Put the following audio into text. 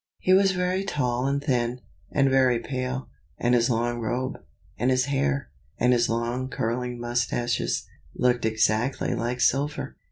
He was very tall and thin, and very pale; and his long robe, and his hair, and his long curling moustaches, looked exactly like silver.